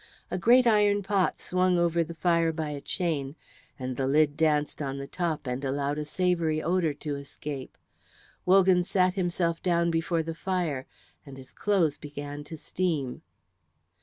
A great iron pot swung over the fire by a chain, and the lid danced on the top and allowed a savoury odour to escape. Wogan sat himself down before the fire and his clothes began to steam.